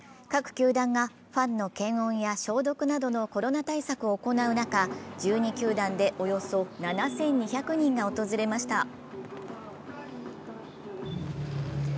各球団がファンの検温や消毒などのコロナ対策を行う中、１２球団でおよそ７２００人が訪れました。